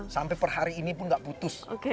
sampai per hari ini pun nggak putus